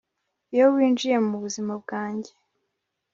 iyo winjiye mubuzima bwanjye